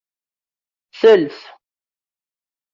Sels.